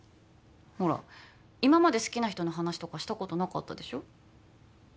ほら今まで好きな人の話とかしたことなかったでしょ